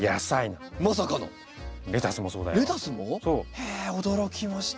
へえ驚きました。